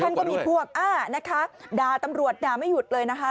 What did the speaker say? ก็มีพวกอ่านะคะด่าตำรวจด่าไม่หยุดเลยนะคะ